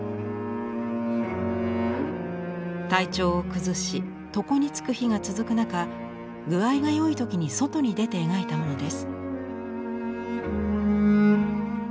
体調を崩し床に就く日が続く中具合が良い時に外に出て描いたものです。